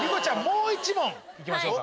もう１問いきましょうか。